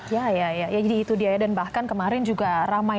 ya ya jadi itu dia ya dan bahkan kemarin juga ramai